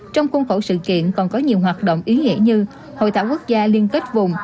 trong khuôn khổ sự kiện còn có nhiều hoạt động ý nghĩa như hội thảo quốc gia liên kết vùng